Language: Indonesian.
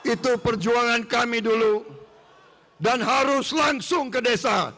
itu perjuangan kami dulu dan harus langsung ke desa